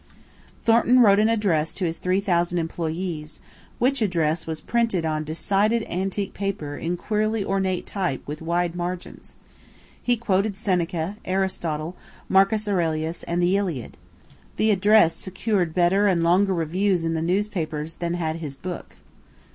Thornton wrote an address to his 3,000 employees which address was printed on decided antique paper in queerly ornate type with wide margins. He quoted Seneca, Aristotle, Marcus Aurelius and the "Iliad." The "address" secured better and longer reviews in the newspapers than had his book.